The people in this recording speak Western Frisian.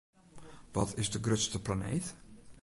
Wat is de grutste planeet?